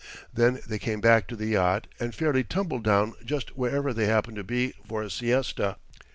Then they came back to the yacht, and fairly tumbled down just wherever they happened to be for a siesta.